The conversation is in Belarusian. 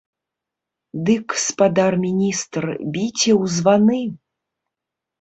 Дык, спадар міністр, біце ў званы!